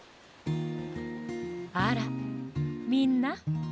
あらみんな。